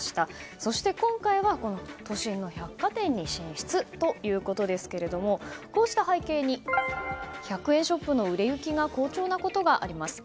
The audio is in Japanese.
そして、今回は都心の百貨店に進出ということでこうした背景に１００円ショップの売れ行きが好調なことがあります。